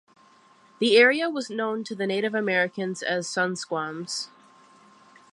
The area was known to the Native Americans as "Sunsquams".